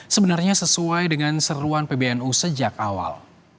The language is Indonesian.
sebenarnya sesuai dengan seruan pbnu sejak awal